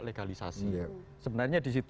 legalisasi sebenarnya disitu